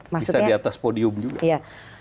bisa di atas podium juga